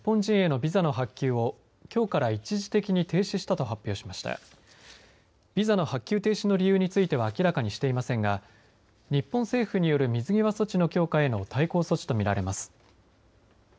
ビザの発給停止の理由については明らかにしていませんが日本政府による水際措置の強化への対抗措置と見られます。